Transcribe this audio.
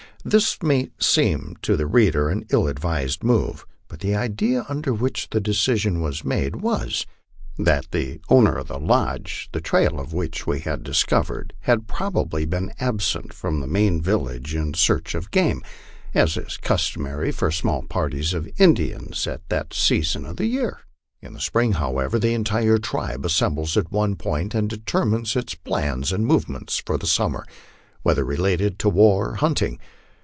This may seem to the reader an ill advised move, but the idea under which the decision was made was, that the owner of the lodge the trail of which we had discovered had probably been absent from the main village in search of game, as is customary for small parties of Indians at that season of the year. In the spring, however, the entire tribe assembles at one point and determines its plans and movements for the summer, whether relating to war or hunting.